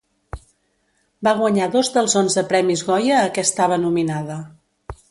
Va guanyar dos dels onze Premis Goya a què estava nominada.